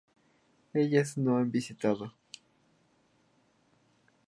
Ellas no han visitado